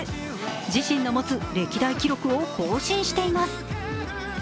自身の持つ歴代記録を更新しています。